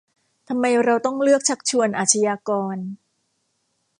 ทำไมเราต้องเลือกชักชวนอาชญากร